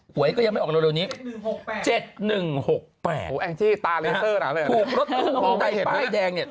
ป่วยก็ยังไม่ออกแล้วเร็วนี้๗๑๖๘ถูกรถถูกใต้ป้ายแดงเนี่ย